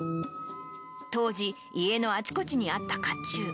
当時、家のあちこちにあったかっちゅう。